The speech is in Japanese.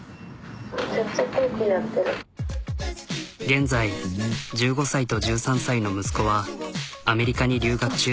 現在１５歳と１３歳の息子はアメリカに留学中。